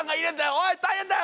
おい大変だよ！